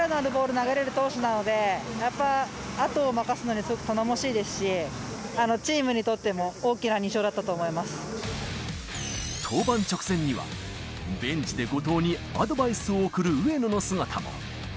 投げれる投手なので、やっぱ後を任すのにも頼もしいですし、チームにとっても大きな２登板直前には、ベンチで後藤にアドバイスを送る上野の姿も。